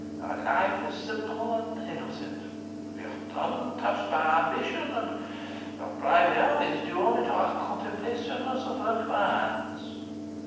Our life is simple and innocent. We are untouched by ambition, and what pride we have is due only to our contemplation of the work of our hands.